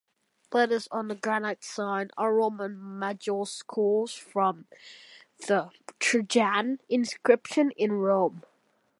Letters on the granite sign are Roman majuscules from the Trajan inscription in Rome.